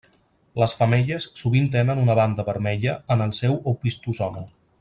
Les femelles sovint tenen una banda vermella en el seu opistosoma.